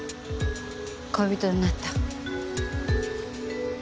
恋人になった。